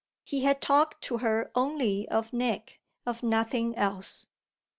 He had talked to her only of Nick of nothing else.